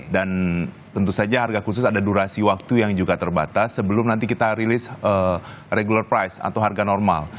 dan tentu saja harga khusus ada durasi waktu yang juga terbatas sebelum nanti kita rilis regular price atau harga normal